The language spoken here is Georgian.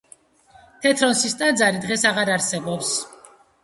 თეთროსნის ტაძარი დღეს აღარ არსებობს.